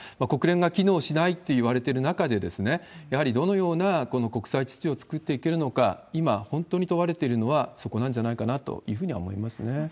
国連が機能しないっていわれてる中で、やはりどのような国際秩序を作っていけるのか、今、本当に問われているのはそこなんじゃないかなというふうには思いますね。